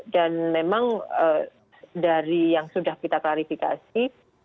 dan memang dari yang sudah kita klarifikasi